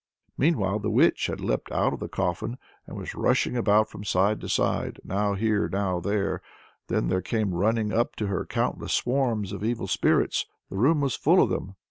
Meanwhile the witch had leapt out of the coffin, and was rushing about from side to side now here, now there. Then there came running up to her countless swarms of evil spirits; the room was full of them!